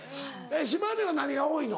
島根は何が多いの？